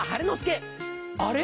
あれ？